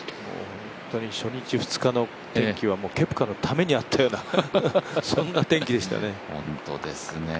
本当に、初日、２日の天候は、ケプカのためにあるようなそんな天気でしたね。